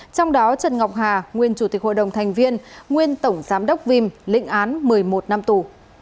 trong đó trần ngọc hà nguyên chủ tịch hội đồng thành viên nguyên tổng giám đốc vim lĩnh án một mươi một năm tù